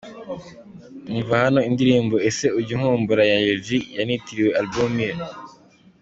Umva hano indirimbo Ese ujya unkumbura ya Lil G yanitiriwe album ye.